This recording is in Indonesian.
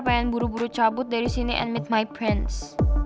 pengen buru buru cabut dari sini and meat my prince